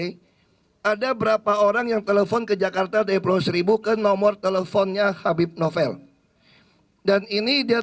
hai ada berapa orang yang telepon ke jakarta depo seribu ke nomor teleponnya habib novel dan ini dia